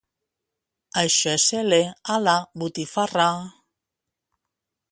Això és ele, ala, botifarra.